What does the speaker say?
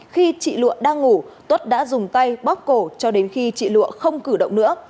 khi chị lụa đang ngủ tuất đã dùng tay bóc cổ cho đến khi chị lụa không cử động nữa